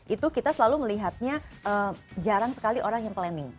itu kita selalu melihatnya jarang sekali orang yang planning